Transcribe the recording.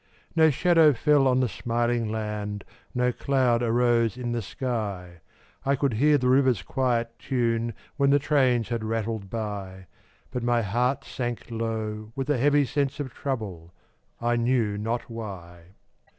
No shadow fell on the smiling land, No cloud arose in the sky; I could hear the river's quiet tune When the trains had rattled by; But my heart sank low with a heavy sense Of trouble, I knew not why.